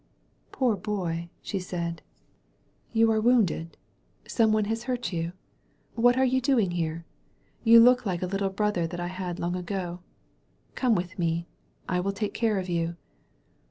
"Poor boy," she said, "you are wounded; some 201 THE VALLEY OF VISION one has hurt you. What aie you doing here? You look like a little brother that I had long ago. Come with me. I will take care of you."